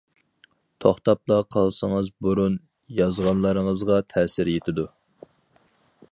توختاپلا قالسىڭىز بۇرۇن يازغانلىرىڭىزغا تەسىر يېتىدۇ.